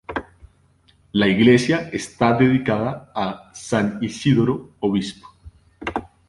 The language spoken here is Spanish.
La iglesia está dedicada a san Isidoro obispo.